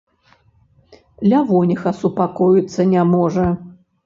Лявоніха супакоіцца не можа.